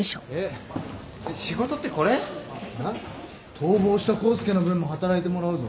逃亡した康介の分も働いてもらうぞ。